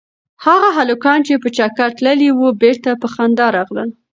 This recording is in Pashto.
هغه هلکان چې په چکر تللي وو بېرته په خندا راغلل.